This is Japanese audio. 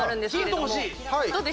ヒント欲しい。